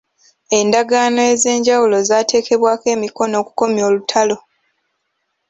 Endagaano ez'enjawulo zaateekebwako emikono okukomya olutalo.